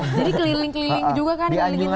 jadi keliling keliling juga kan di indonesia